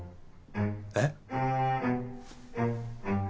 えっ？